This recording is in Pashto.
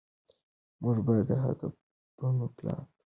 موږ باید هدفمند پلان جوړ کړو.